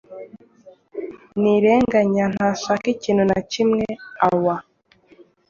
Ntirenganya ntashaka ikintu na kimwe awa.